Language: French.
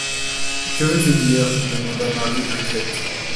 Que veux-tu dire? demanda Mary, inquiète.